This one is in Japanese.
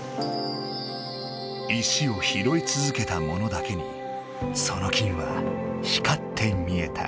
石を拾いつづけたものだけにその金は光って見えた。